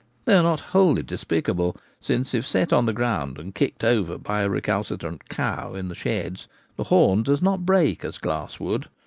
They are not wholly despicable; since if set on the ground and kicked over by a recalcitrant cow in the sheds, the horn does not break as glass would.